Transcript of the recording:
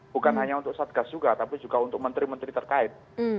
bukan hanya untuk satgas juga tapi juga untuk menteri menteri terkait